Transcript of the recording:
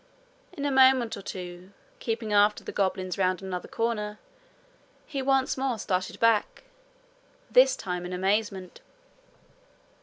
In a moment or two, keeping after the goblins round another corner, he once more started back this time in amazement.